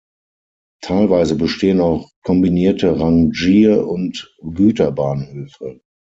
Teilweise bestehen auch kombinierte Rangier- und Güterbahnhöfe.